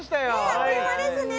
あっという間ですね